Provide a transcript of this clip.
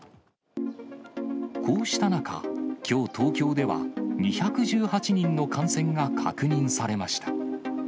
こうした中、きょう、東京では２１８人の感染が確認されました。